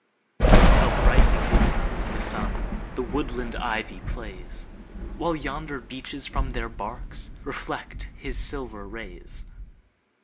How brightly glistening in the sun The woodland ivy plays! While yonder beeches from their barks Reflect his silver rays.